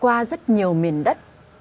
qua rất nhiều miền đất